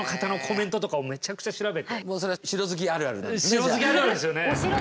城好きあるあるですよね。